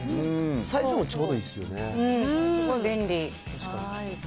サイズもちょうどいいっすよね。